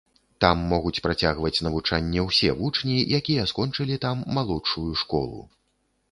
Там могуць працягваць навучанне ўсе вучні, якія скончылі там малодшую школу.